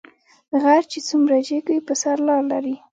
غر چې څومره جګ وي په سر لار لري